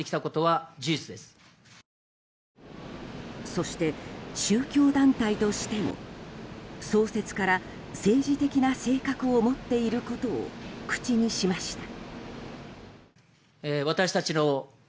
そして宗教団体としても創設から政治的な性格を持っていることを口にしました。